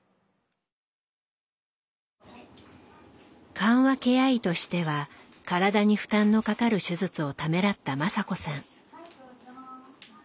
緩和ケア医としては体に負担のかかる手術をためらった雅子さん。